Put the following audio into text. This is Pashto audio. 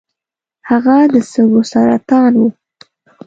هغه د سږو سرطان و .